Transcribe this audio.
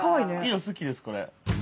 色好きですこれ。